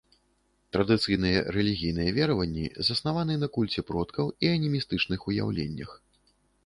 Традыцыйныя рэлігійныя вераванні заснаваны на кульце продкаў і анімістычных уяўленнях.